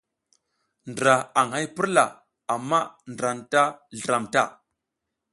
Ndra aƞ hay purla amma ndra anta zliram ta.